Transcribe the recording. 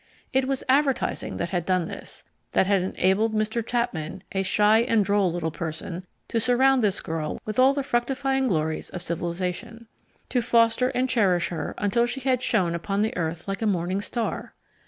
It was Advertising that had done this that had enabled Mr. Chapman, a shy and droll little person, to surround this girl with all the fructifying glories of civilization to foster and cherish her until she shone upon the earth like a morning star!